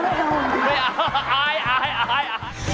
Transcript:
ไม่อายอายอาย